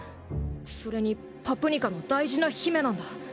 それにパプニカの大事な姫なんだ。